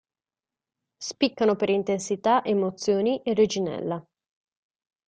Spiccano per intensità, "Emozioni" e "Reginella".